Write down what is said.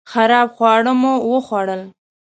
خراب خواړه مو وخوړل